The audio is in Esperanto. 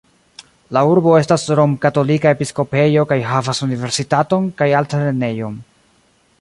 La urbo estas rom-katolika episkopejo kaj havas universitaton kaj altlernejon.